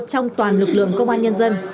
trong toàn lực lượng công an nhân dân